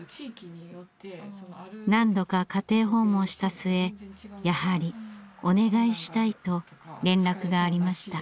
何度か家庭訪問した末やはりお願いしたいと連絡がありました。